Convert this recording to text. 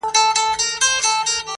اشنا مي پاته په وطن سو،